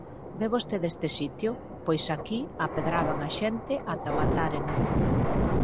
Ve vostede este sitio? Pois aquí apedraban a xente, ata matárena.